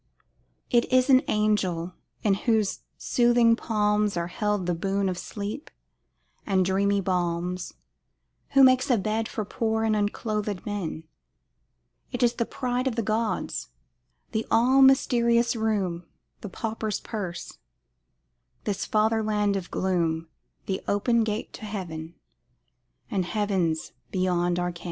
It is an angel, in whose soothing palms Are held the boon of sleep and dreamy balms, Who makes a bed for poor unclothèd men; It is the pride of the gods the all mysterious room, The pauper's purse this fatherland of gloom, The open gate to heaven, and heavens beyond our ken.